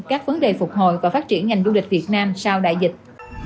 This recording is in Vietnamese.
các vấn đề phục hồi và phát triển ngành du lịch việt nam sau đại dịch